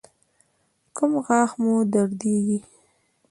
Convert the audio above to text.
کوم غاښ مو دردیږي؟